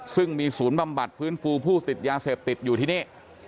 ซึ่งมีศูนย์บำบัดฟื้นฟูผู้ติดยาเสพติดอยู่ที่นี่